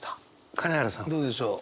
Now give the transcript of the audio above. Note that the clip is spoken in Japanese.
金原さんどうでしょう？